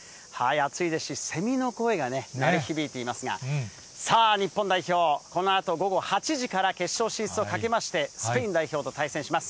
暑いですし、セミの声が鳴り響いていますが、さあ、日本代表、このあと午後８時から、決勝進出をかけまして、スペイン代表と対戦します。